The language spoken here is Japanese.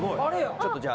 ちょっとじゃあ。